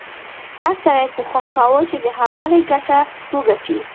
هر سړي کوښښ کاوه چې د حلالې ګټه وګټي.